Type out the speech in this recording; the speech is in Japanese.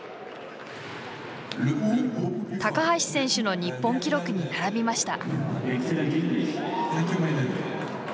高橋選手の日本記録に並びました。